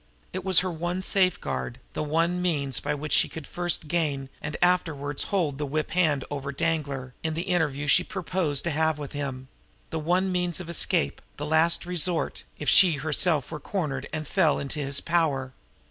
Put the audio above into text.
It was her one safeguard; the one means by which she could first gain and afterwards hold the whip hand over Danglar in the interview she proposed to have with him; the one means of escape, the last resort, if she herself were cornered and fell into his power.